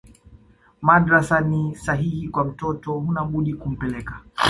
madrasa ni sahihi kwa mtoto hunabudi kumpeleka